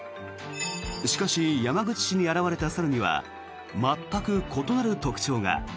しかし、山口市に現れた猿には全く異なる特徴が。